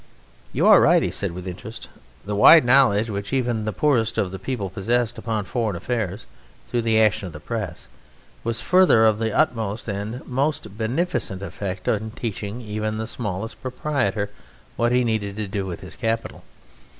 "You are right," he said with interest, "the wide knowledge which even the poorest of the people possessed upon foreign affairs, through the action of the Press, was, further, of the utmost and most beneficent effect in teaching even the smallest proprietor what he need do with his capital.